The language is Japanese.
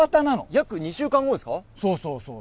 約２週間後ですか？